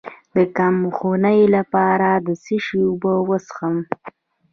د کمخونۍ لپاره د څه شي اوبه وڅښم؟